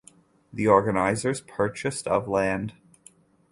The organizers purchased of land.